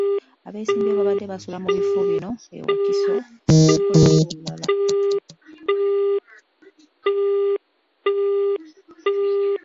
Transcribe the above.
Abeesimbyewo babadde basula mu bifo bino e Wakiso, Mukono n'ewalala.